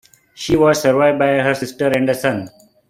She was survived by her sister and a son.